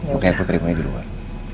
makanya aku terima di luar